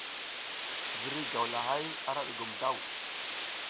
Ziriy gawlahay ara ɗugom daw.